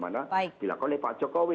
mana dilakukan oleh pak jokowi